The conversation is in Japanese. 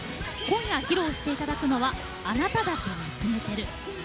今夜、披露していただくのは「あなただけ見つめてる」。